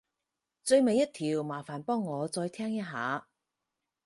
最尾一條麻煩幫我再聽一下